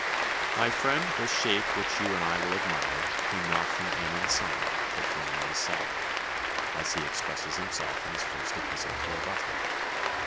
'My friend, this shape which you and I will admire, Came not from Ammon's son, but from my sire,' as he expresses himself in his first epistle to Arbuthnot.